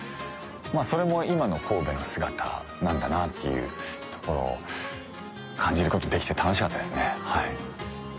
それも今の神戸の姿なんだなっていうところを感じることできて楽しかったですね。